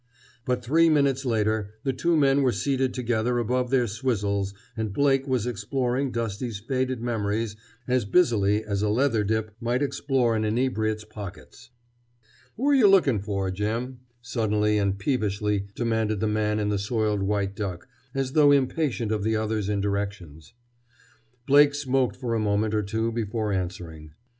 But three minutes later the two men were seated together above their "swizzles" and Blake was exploring Dusty's faded memories as busily as a leather dip might explore an inebriate's pockets. "Who're you looking for, Jim?" suddenly and peevishly demanded the man in the soiled white duck, as though impatient of the other's indirections. Blake smoked for a moment or two before answering.